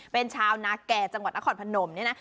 เป็นชาวนาแก่จังหวัดนครพนมเนี่ยนะ